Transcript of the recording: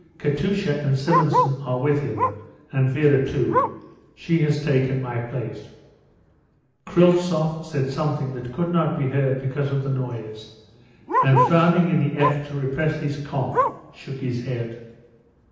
Katusha and Simonson are with him, and Vera, too. She has taken my place." Kryltzoff said something that could not be heard because of the noise, and frowning in the effort to repress his cough shook his head.